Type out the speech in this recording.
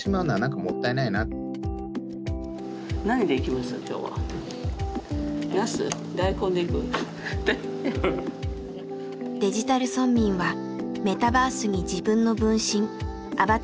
デジタル村民はメタバースに自分の分身アバターを使って参加します。